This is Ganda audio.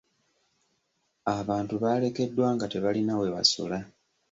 Abantu baalekeddwa nga tebalina we basula.